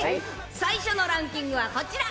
最初のランキングはこちら。